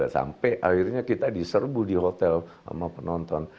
sampai akhirnya kita diserbu di hotel sama penonton